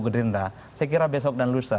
gerindra saya kira besok dan lusa